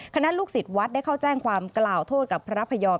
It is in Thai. ลูกศิษย์วัดได้เข้าแจ้งความกล่าวโทษกับพระพยอม